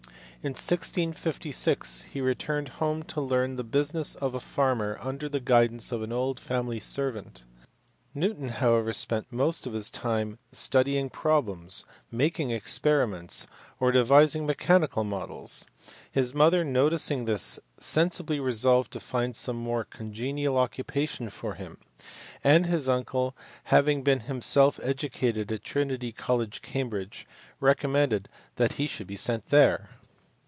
In 1656 he returned home to learn the business of a farmer under the guidance of an old family servant. Newton however spent most of his time solving problems, making experiments, or devising mechanical models ; his mother noticing this sensibly resolved to find some more congenial occupation for him, and his uncle, having been himself educated at Trinity College, Cambridge, recommended that he should be sent there.